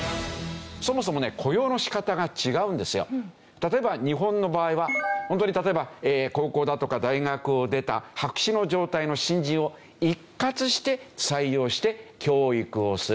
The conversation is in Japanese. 例えば日本の場合はホントに例えば高校だとか大学を出た白紙の状態の新人を一括して採用して教育をする。